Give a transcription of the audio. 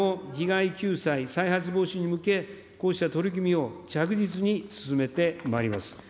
今後も利害救済、再発防止に向け、こうした取り組みを着実に進めてまいります。